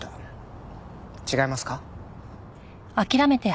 違いますか？